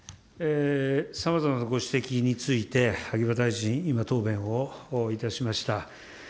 さまざまなご指摘について、秋葉大臣、今、答弁をいたしました。